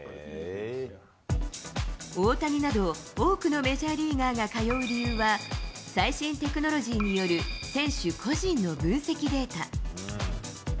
メジャーリーグ、日本、韓国など、大谷など、多くのメジャーリーガーが通う理由は、最新テクノロジーによる選手個人の分析データ。